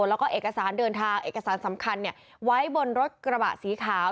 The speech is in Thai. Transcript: แล้วก็เอกสารเดินทางเอกสารสำคัญไว้บนรถกระบะสีขาว